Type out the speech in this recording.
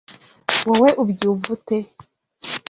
Wowe ubyumva ute?